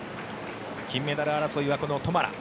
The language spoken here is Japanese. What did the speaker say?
金メダル争いはトマラ。